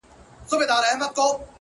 بيا خپه يم مرور دي اموخته کړم!!